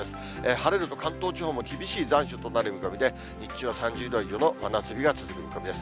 晴れると関東地方も厳しい残暑となる見込みで、日中は３０度以上の真夏日が続く見込みです。